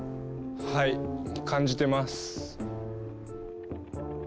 はい感じてます。